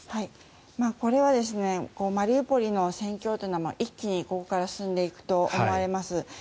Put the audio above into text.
これはマリウポリの戦況というのは一気にここから進んでいくと思われます。